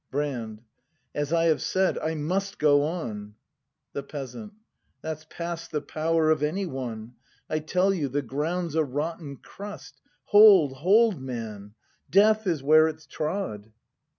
Brand. As I have said, I must go on. The Peasant. That's past the power of any one. I tell you — the ground's a rotten crust — Hold, hold, man! Death is where it's trod!